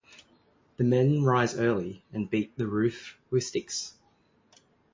The men rise early and beat the roof with sticks.